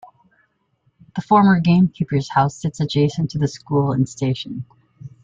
The former gamekeeper's house sits adjacent to the school and station.